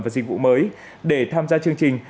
và dịch vụ mới để tham gia chương trình